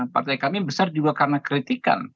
partai kami besar juga karena kritikan